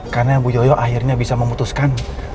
karena bu yoyo akhirnya bisa memutuskan